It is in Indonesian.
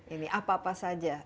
ini apa apa saja